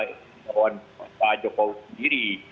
imbawan pak jokowi sendiri